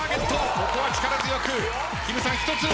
ここは力強くきむさん１つ。